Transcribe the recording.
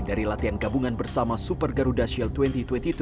dari latihan gabungan bersama super garuda shield dua ribu dua puluh dua